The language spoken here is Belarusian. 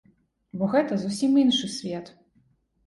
Бо гэта зусім іншы свет.